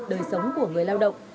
đời sống của người lao động